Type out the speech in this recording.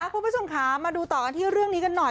คุณผู้ชมค่ะมาดูต่อกันที่เรื่องนี้กันหน่อย